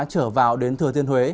trở vào đến thừa thiên huế